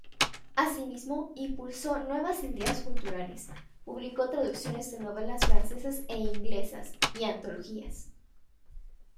Asimismo, impulsó nuevas ideas culturales, publicó traducciones de novelas francesas e inglesas, y antologías.